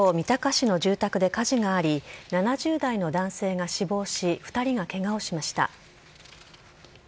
けさ、東京・三鷹市の住宅で火事があり、７０代の男性が死亡し、２人がけがをしました。